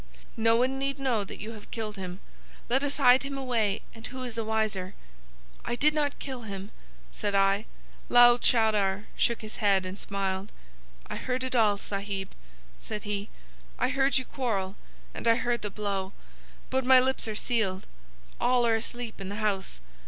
"No one need know that you have killed him. Let us hide him away, and who is the wiser?" "I did not kill him," said I. Lal Chowdar shook his head and smiled. "I heard it all, Sahib," said he. "I heard you quarrel, and I heard the blow. But my lips are sealed. All are asleep in the house.